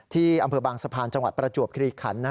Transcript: ที่อำเภอบางสะพานจังหวัดประจวบคลีขัน